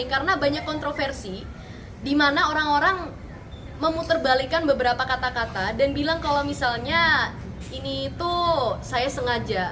karena banyak kontroversi di mana orang orang memutarbalikan beberapa kata kata dan bilang kalau misalnya ini itu saya sengaja